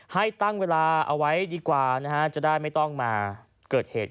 ให้ตั้งเวลาเอาไว้ดีกว่านะฮะจะได้ไม่ต้องมาเกิดเหตุ